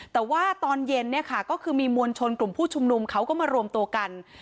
แต่ว่าตอนเย็นเนี่ยค่ะก็คือมีมวลชนกลุ่มผู้ชุมนุมเขาก็มารวมตัวกัน